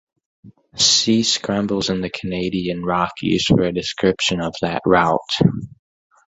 See "Scrambles in the Canadian Rockies" for a description of that route.